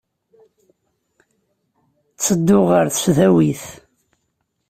Ttedduɣ ɣer tesdawit.